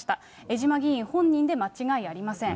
江島議員本人で間違いありません。